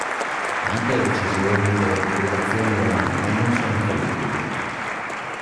Anche le decisioni delle congregazioni romane non sono infallibili.